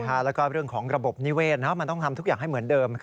แล้วก็เรื่องของระบบนิเวศมันต้องทำทุกอย่างให้เหมือนเดิม